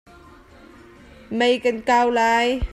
Mei kan kau lai.